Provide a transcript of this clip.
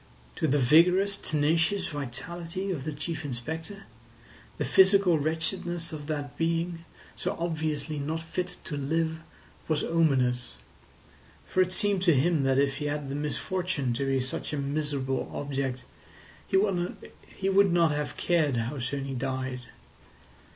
To the vigorous, tenacious vitality of the Chief Inspector, the physical wretchedness of that being, so obviously not fit to live, was ominous; for it seemed to him that if he had the misfortune to be such a miserable object he would not have cared how soon he died.